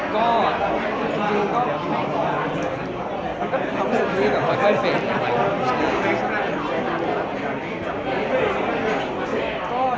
ก็อยู่เขาไม่ได้มีสายการรับสัญลักษณะ